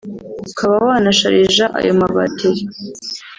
ukaba wanasharija ayo mabateri